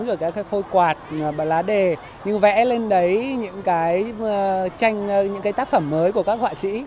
rồi cái khôi quạt và lá đề nhưng vẽ lên đấy những cái tranh những cái tác phẩm mới của các họa sĩ